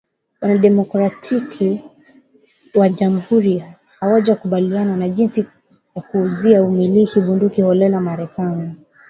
Wanademokratiki na Wanajamhuri hawajakubaliana jinsi ya kuzuia umiliki bunduki holela Marekani